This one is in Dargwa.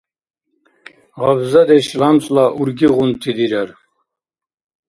Гъабзадеш лямцӀла ургигъунти дирар.